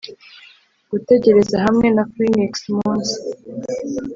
gutegereza hamwe na phoenix munsi